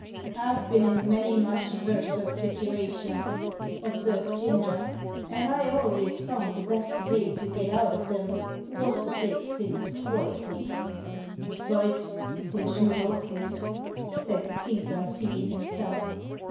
"I've been in many much vurser sitivations," observed Ginger, "and I alvays found the best vay to get out on 'em wos to take things quietly." "Besides, there's no help for it," said the Tinker, seating himself.